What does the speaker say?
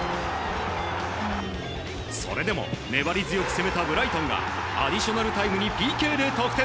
それでも粘り強く攻めたブライトンがアディショナルタイムにＰＫで得点。